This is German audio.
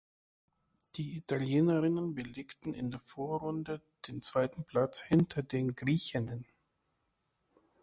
Die Italienerinnen belegten in der Vorrunde den zweiten Platz hinter den Griechinnen.